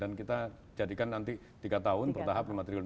dan kita jadikan nanti tiga tahun bertahap lima triliun